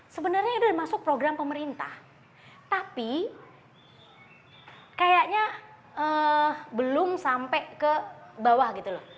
sebenarnya ini sudah masuk program pemerintah tapi kayaknya belum sampai ke bawah gitu loh